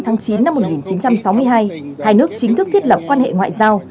ngày chín một nghìn chín trăm sáu mươi hai hai nước chính thức thiết lập quan hệ ngoại giao